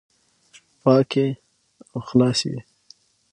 پاکي او خلاصي وي،